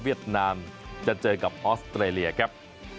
นามจะเจอกับออสเตรเลียครับ